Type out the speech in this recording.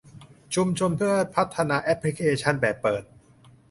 ชุมชนเพื่อพัฒนาแอพลิเคชั่นแบบเปิด